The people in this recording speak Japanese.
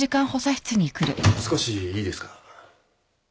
少しいいですか？